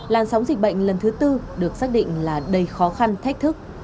làn sóng dịch bệnh lần thứ tư được xác định là đầy khó khăn thách thức